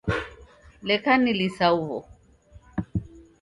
Leka nilisa huw'o.